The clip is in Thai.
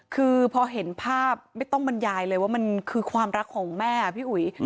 คือพอเห็นภาพไม่ต้องบรรยายเลยว่ามันคือความรักของแม่พี่อุ๋ย